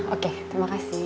oke terima kasih